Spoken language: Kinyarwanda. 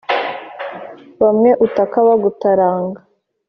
bamwe utaaka bagutaranga